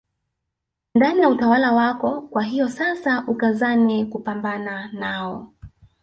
Ndani ya utawala wako kwa hiyo sasa ukazane kupambana nao